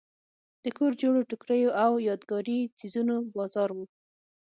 د کور جوړو ټوکریو او یادګاري څیزونو بازار و.